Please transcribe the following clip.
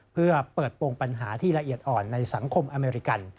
เพื่อเปิดโปรงปัญหาที่ละเอียดอ่อนในสังคมอเมริกัน